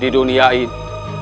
di dunia itu